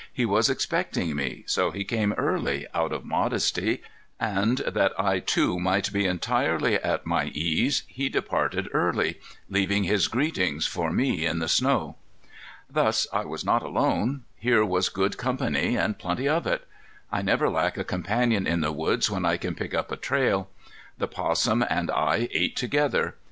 He was expecting me, so he came early, out of modesty, and, that I too might be entirely at my ease, he departed early, leaving his greetings for me in the snow. Thus I was not alone; here was good company and plenty of it. I never lack a companion in the woods when I can pick up a trail. The 'possum and I ate together.